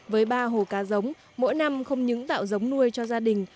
với ba hồ cá giống mỗi năm không những tạo giống nuôi cho gia đình